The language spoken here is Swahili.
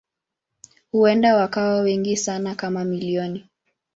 Huenda wakawa wengi sana kama milioni.